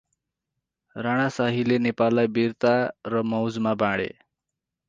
राणाशाहीले नेपाललाई बिर्ता र मौजामा बाँडे ।